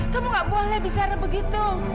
kamu gak boleh bicara begitu